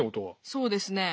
そうですね。